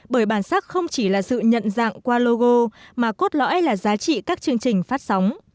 bởi bản sắc không chỉ là sự nhận dạng qua logo mà cốt lõi là giá trị các chương trình phát sóng